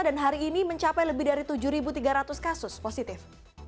dan hari ini mencapai lebih dari tujuh tiga ratus kasus positif